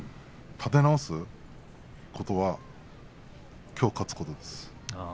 立て直すことはきょう勝つことです。